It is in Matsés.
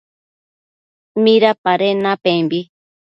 ¿Midapaden napembi?